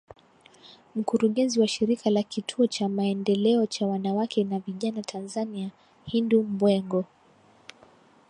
Mkurugenzi wa shirika la kituo cha maendeleo cha wanawake na vijana Tanzania Hindu Mbwego